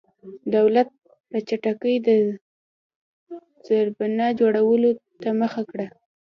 دولت په چټکۍ د زېربنا جوړولو ته مخه کړه.